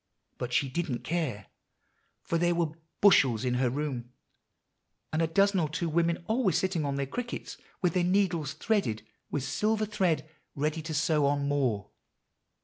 But she didn't care; for there were bushels in her room, and a dozen or two women always sitting on their crickets, with their needles threaded with silver thread, ready to sew on more.